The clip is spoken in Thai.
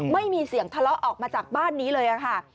ไม่มีเสียงทะเลาะออกมาจากบ้านนี้เลยค่ะ